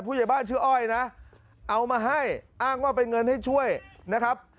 ผู้ใหญ่บ้านชื่ออ้อยนะเอามาให้อ้างว่าเป็นเงินให้ช่วยนะครับ